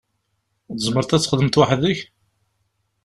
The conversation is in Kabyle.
Tzemreḍ ad txedmeḍ weḥd-k?